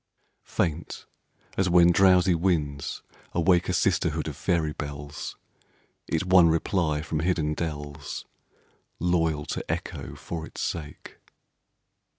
Faint, as when drowsy winds awake A sisterhood of faery bells, It won reply from hidden dells, Loyal to Echo for its sake.